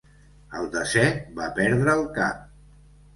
El desè va perdre el cap.